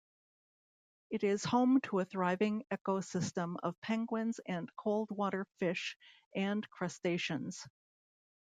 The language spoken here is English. It is home to a thriving ecosystem of penguins and cold-water fish and crustaceans.